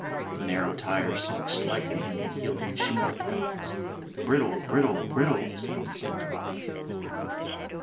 The narrow tires sunk slightly in the yielding shingle fragments. Brittle! Brittle! Brittle! the sound said to Bobby.